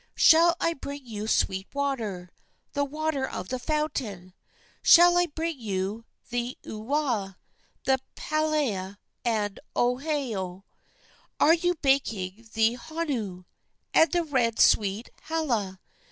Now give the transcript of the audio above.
Shall I bring you sweet water, The water of the fountain? Shall I bring the uwau, The pala and ohelo? Are you baking the honu? And the red, sweet hala?